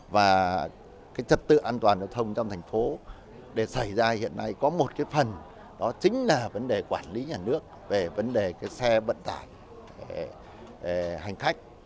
và trật tự an toàn giao thông trong thành phố để xảy ra hiện nay có một cái phần đó chính là vấn đề quản lý nhà nước về vấn đề cái xe vận tải hành khách